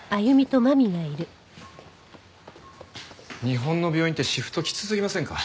日本の病院ってシフトきつすぎませんか？